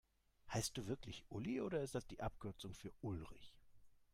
Heißt du wirklich Uli, oder ist das die Abkürzung für Ulrich?